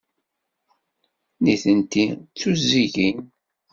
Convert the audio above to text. Nitenti d tuzzigin.